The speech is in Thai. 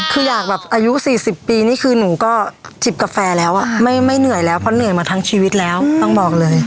คืออยากแบบอายุ๔๐ปีนี่คือหนูก็จิบกาแฟแล้วอ่ะไม่เหนื่อยแล้วเพราะเหนื่อยมาทั้งชีวิตแล้วต้องบอกเลย